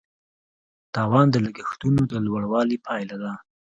تاوان د لګښتونو د لوړوالي پایله ده.